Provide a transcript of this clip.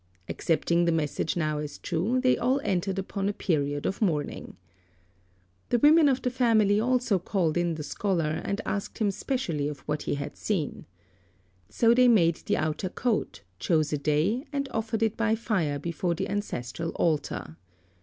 Accepting the message now as true, they all entered upon a period of mourning. The women of the family also called in the scholar and asked him specially of what he had seen. So they made the outer coat, chose a day, and offered it by fire before the ancestral altar.